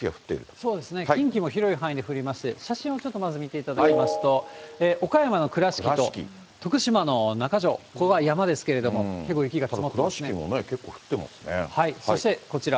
そうですね、近畿も広い範囲で降りまして、写真をちょっとまず見ていただきますと、岡山の倉敷と、徳島の那賀町、ここは山ですけれども、結構雪が積もってますね。